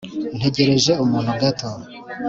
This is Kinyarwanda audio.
ntegereje umuntu gato